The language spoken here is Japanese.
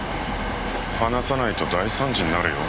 離さないと大惨事になるよ。